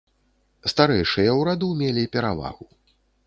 Старэйшыя ў раду мелі перавагу.